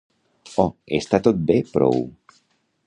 Oh, està tot bé prou!